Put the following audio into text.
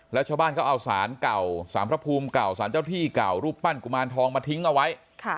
แล้วชาวบ้านเขาเอาสารเก่าสารพระภูมิเก่าสารเจ้าที่เก่ารูปปั้นกุมารทองมาทิ้งเอาไว้